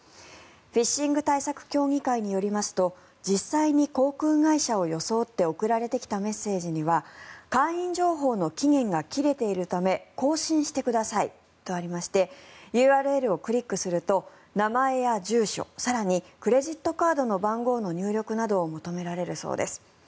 フィッシング対策協議会によりますと実際に航空会社を装って送られてきたメッセージには会員情報の期限が切れているため更新してくださいとありましてＵＲＬをクリックすると名前や住所更にクレジットカードの番号の入力などを求められるそうです。